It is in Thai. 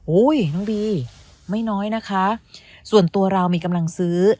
น้องบีไม่น้อยนะคะส่วนตัวเรามีกำลังซื้อ